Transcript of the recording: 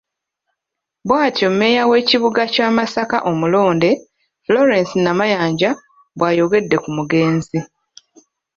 Bwatyo Mmeeya w'ekibuga kya Masaka omulonde, Florence Namayanja bwayogedde ku mugenzi.